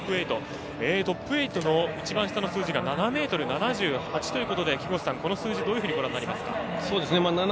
トップ８の一番下の数字が７ｍ７８ということでこの数字、どうご覧になりますか。